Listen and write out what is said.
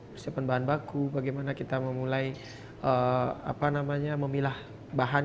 persiapan bahan baku bagaimana kita memulai memilah bahan